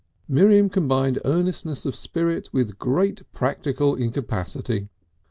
II Miriam combined earnestness of spirit with great practical incapacity.